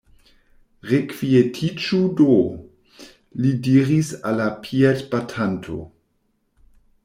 Rekvietiĝu do! li diris al la piedbatanto.